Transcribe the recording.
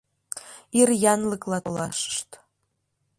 Ир янлыкла толашышт.